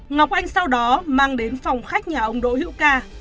ngọc anh sau đó mang đến phòng khách nhà ông đỗ hữu ca